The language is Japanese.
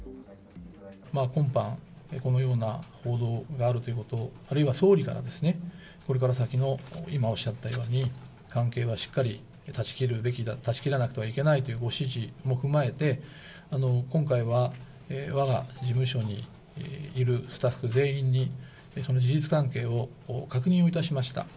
今般、このような報道があるということ、あるいは総理から、これから先の、今おっしゃったように、関係はしっかり断ち切るべきだ、断ち切らなくてはいけないというご指示も踏まえて、今回はわが事務所にいるスタッフ全員にその事実関係を確認をいたしました。